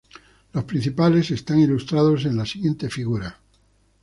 Los principales están ilustrados en la siguiente figura.